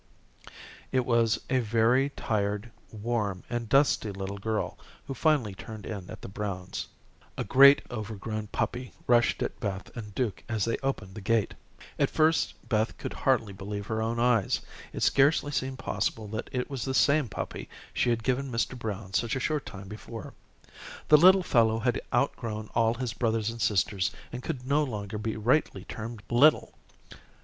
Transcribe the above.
It was a very tired, warm, and dusty little girl who finally turned in at the Browns'. A great, overgrown puppy rushed at Beth and Duke as they opened the gate. At first, Beth could hardly believe her own eyes. It scarcely seemed possible that it was the same puppy she had given Mr. Brown such a short time before. The little fellow had outgrown all his brothers and sisters, and could no longer be rightly termed little.